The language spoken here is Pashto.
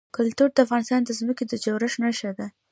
کلتور د افغانستان د ځمکې د جوړښت نښه ده.